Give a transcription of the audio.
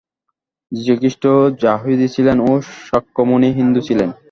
যীশুখ্রীষ্ট য়াহুদী ছিলেন ও শাক্যমুনি হিন্দু ছিলেন।